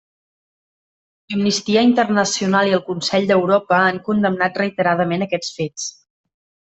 Amnistia Internacional i el Consell d'Europa han condemnat reiteradament aquests fets.